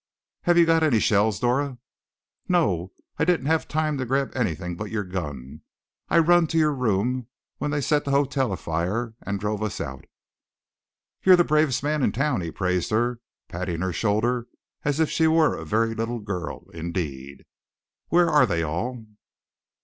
"Have you got any shells, Dora?" "No, I didn't have time to grab anything but your gun I run to your room when they set the hotel afire and drove us out." "You're the bravest man in town!" he praised her, patting her shoulder as if she were a very little girl, indeed. "Where are they all?"